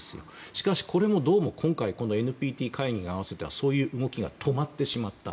しかしこれもどうもこのＮＰＴ会議に合わせてそういう動きが止まってしまった。